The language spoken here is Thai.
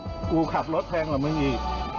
กูขับรถแพงกว่ามึงอีก